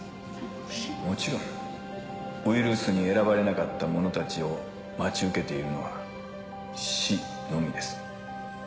もちろんウイルスに選ばれなかった者たちを待ち受けているのは死のみです。